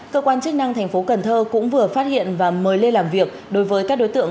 cơ quan chức năng tp cnh cũng vừa phát hiện và mới lê làm việc đối với các đối tượng